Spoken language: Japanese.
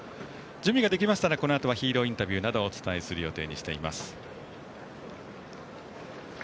準備ができましたらヒーローインタビューなどをお伝えする予定にしています。